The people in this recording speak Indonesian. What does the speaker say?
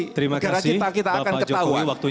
negara kita kita akan ketahuan